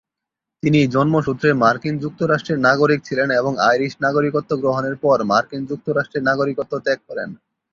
তিনি জন্মসূত্রে মার্কিন যুক্তরাষ্ট্রের নাগরিক ছিলেন এবং আইরিশ নাগরিকত্ব গ্রহণের পর মার্কিন যুক্তরাষ্ট্রের নাগরিকত্ব ত্যাগ করেন।